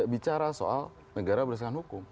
bicara soal negara berdasarkan hukum